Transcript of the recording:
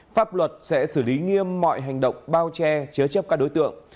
pháp luật sẽ xử lý nghiêm mọi hành động bao che chứa chấp các đối tượng